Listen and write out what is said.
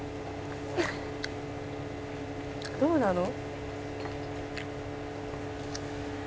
「どうなの？」